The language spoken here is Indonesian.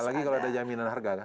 apalagi kalau ada jaminan harga kan